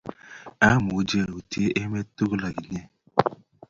Amuchi autie emet tugul ak inye